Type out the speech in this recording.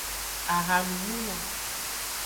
Ahanumuno.